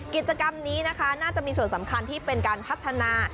กิจกรรมนี้นะคะน่าจะมีส่วนสำคัญที่เป็นการพัฒนา